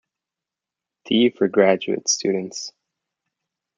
D. for graduate students.